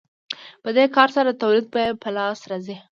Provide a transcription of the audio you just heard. په دې کار سره د تولید بیه په لاس راځي